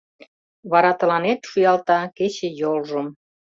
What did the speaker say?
Вара тыланет шуялта кече йолжым